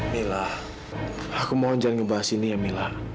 mila aku mohon jangan ngebahas ini ya mila